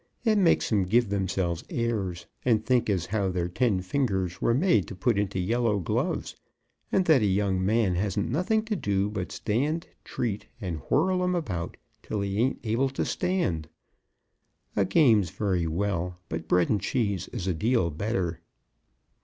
It makes 'em give themselves airs, and think as how their ten fingers were made to put into yellow gloves, and that a young man hasn't nothing to do but to stand treat, and whirl 'em about till he ain't able to stand. A game's all very well, but bread and cheese is a deal better."